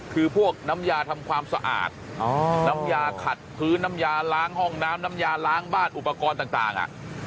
คือพวกน้ำยาทำความสะอาดน้ำยาขัดพื้นน้ำยาล้างห้องน้ำน้ำยาล้างบ้านอุปกรณ์ต่าง